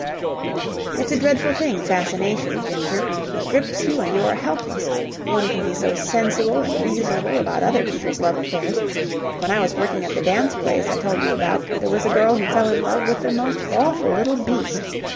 "It's a dreadful thing, fascination, Ginger. It grips you and you are helpless. One can be so sensible and reasonable about other people's love affairs. When I was working at the dance place I told you about there was a girl who fell in love with the most awful little beast.